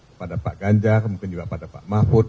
kepada pak ganjar mungkin juga pada pak mahfud